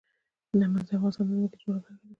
نمک د افغانستان د ځمکې د جوړښت نښه ده.